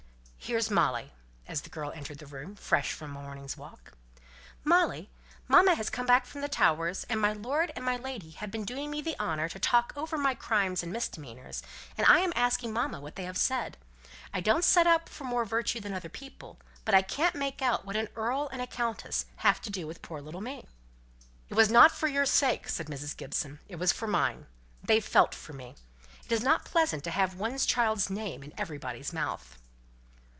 Here's Molly" (as the girl entered the room, fresh from a morning's walk). "Molly, mamma has come back from the Towers, and my lord and my lady have been doing me the honour to talk over my crimes and misdemeanors, and I am asking mamma what they have said. I don't set up for more virtue than other people, but I can't make out what an earl and a countess have to do with poor little me." "It was not for your sake!" said Mrs. Gibson. "It was for mine. They felt for me, for it is not pleasant to have one's child's name in everybody's mouth."